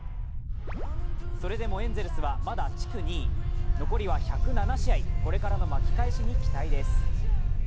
それでもエンゼルスはまだ地区２位残りは１０７試合、これからの巻き返しに期待です。